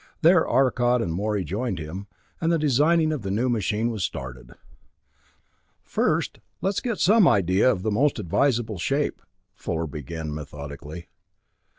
There Arcot and Morey joined him, and the designing of the new machine was started. "First, let's get some idea of the most advisable shape," Fuller began methodically.